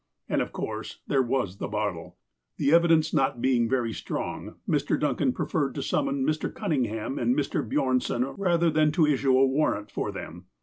And, of course, there was the bottle. The evidence not being very strong, Mr. Duncan pre ferred to summon Mr. Cunningham and Mr. Bjornson, rather than to issue a warrant for them.